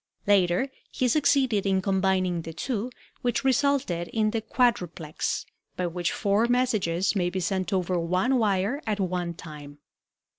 Later he succeeded in combining the two, which resulted in the quadruplex, by which four messages may be sent over one wire at one time.